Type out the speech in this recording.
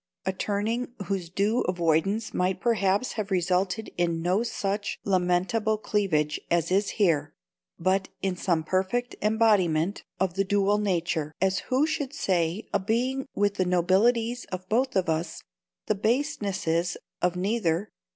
A turning whose due avoidance might perhaps have resulted in no such lamentable cleavage as is here, but in some perfect embodiment of the dual nature: as who should say a being with the nobilities of both of us, the basenesses of neither?